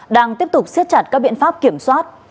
đang tiếp tục siết chặt các biện pháp kiểm soát